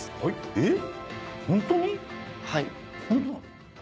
えっ？